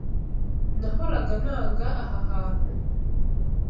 Nahoraga nanga aha hantu.